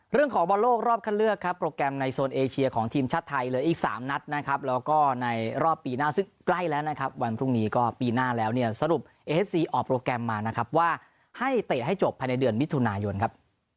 เรื่องของบอลโลกรอบคันเลือกครับโปรแกรมในโซนเอเชียของทีมชาติไทยเหลืออีก๓นัดนะครับแล้วก็ในรอบปีหน้าซึ่งใกล้แล้วนะครับวันพรุ่งนี้ก็ปีหน้าแล้วเนี่ยสรุปเอฟซีออกโปรแกรมมานะครับว่าให้เตะให้จบภายในเดือนมิถุนายนครับ